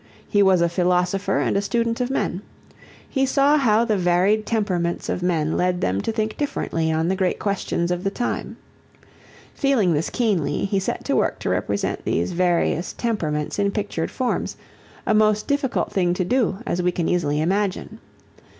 He was a philosopher and a student of men. He saw how the varied temperaments of men led them to think differently on the great questions of the time. Feeling this keenly, he set to work to represent these various temperaments in pictured forms, a most difficult thing to do as we can easily imagine.